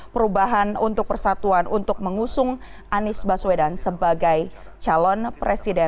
perubahan untuk persatuan untuk mengusung anies baswedan sebagai calon presiden